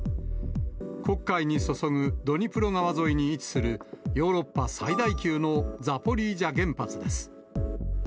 黒海に注ぐドニプロ川沿いに位置するヨーロッパ最大級のザポリージャ原発です。